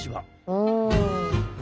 うん。